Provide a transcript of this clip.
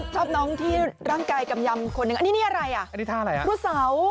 ชอบน้องที่ร่างกายกำยำคนหนึ่งอันนี้อะไรรูดเสา